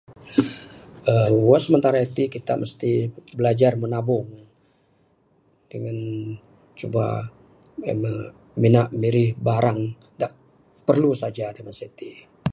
uhh buat sementara iti kita mesti bilajar menabung dangan cuba meh en meh mina mirih barang da perlu saja da masa iti